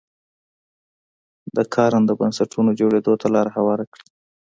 د کارنده بنسټونو جوړېدو ته لار هواره کړي.